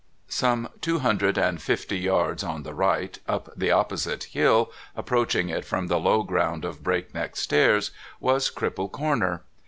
Some two hundred and fifty yards on the right, up the opposite hill (approaching it from the low ground of Break Neck Stairs) was Cripple Corner.